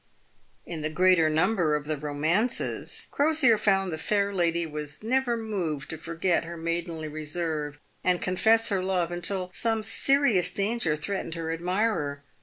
In the greater number of the romances Crosier found the fair lady was never moved to forget her maidenly reserve and confess her love until some serious danger threatened her admirer.